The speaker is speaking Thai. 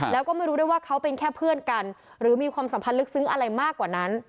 แล้วก็ไม่รู้ด้วยว่าเขาเป็นแค่เพื่อนกันหรือมีความสัมพันธ์ลึกซึ้งอะไรมากกว่านั้น